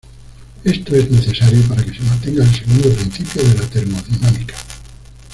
Esto es necesario para que se mantenga el segundo principio de la termodinámica.